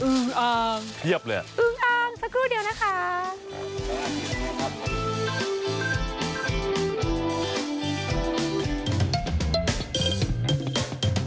อึงอ้างสักครู่เดียวนะคะ